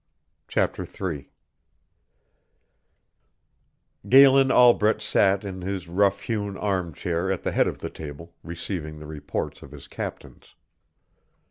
Chapter Three Galen Albret sat in his rough hewn arm chair at the head of the table, receiving the reports of his captains.